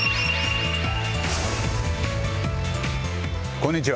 こんにちは。